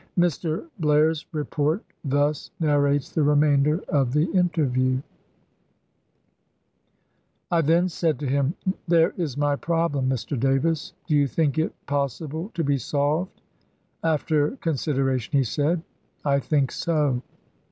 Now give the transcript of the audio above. Mr. Blair's report thus narrates the remainder of the interview :" I then said to him, ' There is my problem, Mr. Davis ; do you think it possible to be solved ?' After consideration he said, 'I think so.'